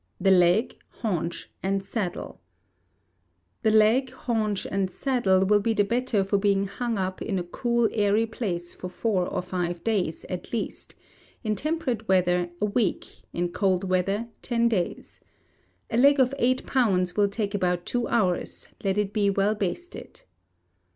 The Leg, Haunch, and Saddle The leg, haunch, and saddle, will be the better for being hung up in a cool airy place for four or five days, at least; in temperate weather, a week: in cold weather, ten days, A leg of eight pounds will take about two hours; let it be well basted.